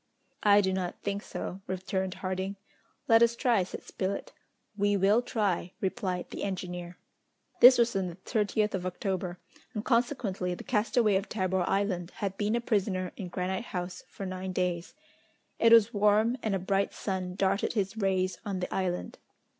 "I do not think so," returned Harding. "Let us try," said Spilett. "We will try," replied the engineer. This was on the 30th of October, and consequently the castaway of Tabor Island had been a prisoner in Granite House for nine days. It was warm, and a bright sun darted his rays on the island.